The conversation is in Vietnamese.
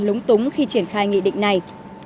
lúng túng khi triển khai nghị định này